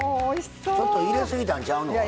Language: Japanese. ちょっと入れすぎたんちゃうの？